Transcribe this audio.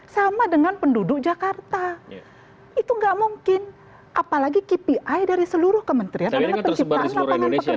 sama dengan penduduk jakarta itu nggak mungkin apalagi kipi dari seluruh kementerian tersebar